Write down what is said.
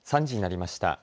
３時になりました。